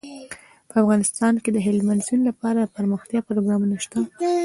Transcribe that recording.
په افغانستان کې د هلمند سیند لپاره د پرمختیا پروګرامونه شته.